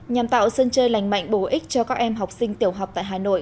nhằm tạo sân chơi lành mạnh bổ ích cho các em học sinh tiểu học tại hà nội